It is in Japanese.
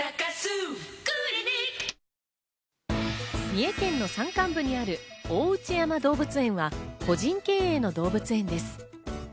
三重県の山間部にある大内山動物園は、個人経営の動物園です。